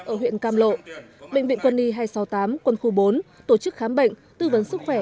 ở huyện cam lộ bệnh viện quân y hai trăm sáu mươi tám quân khu bốn tổ chức khám bệnh tư vấn sức khỏe